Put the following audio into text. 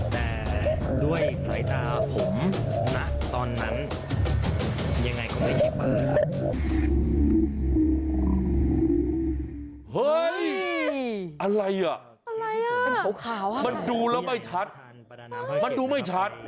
เฮ้ยอะไรอ่ะมันดูแล้วไม่ชัดมันดูไม่ชัด